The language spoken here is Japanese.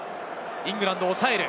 イングランド、おさえる。